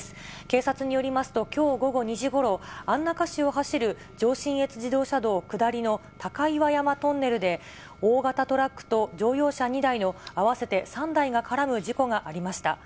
警察によりますと、きょう午後２時ごろ、安中市を走る上信越自動車道下りの高岩山トンネルで、大型トラックと乗用車２台の合わせて３台が絡む事故がありました。